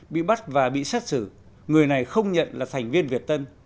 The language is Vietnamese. bị bắt và bị xét xử người này không nhận là thành viên việt tân